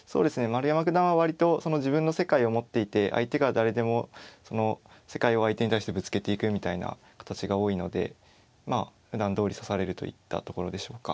丸山九段は割とその自分の世界を持っていて相手が誰でもその世界を相手に対してぶつけていくみたいな形が多いのでまあふだんどおり指されるといったところでしょうか。